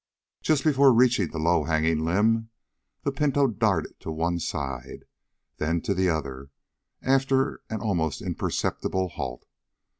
Just before reaching the low hanging limb the pinto darted to one side, then to the other after an almost imperceptible halt.